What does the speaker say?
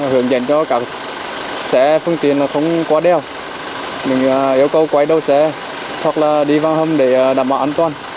hướng dẫn cho các xe phương tiện không qua đèo yêu cầu quay đầu xe hoặc là đi vào hầm để đảm bảo an toàn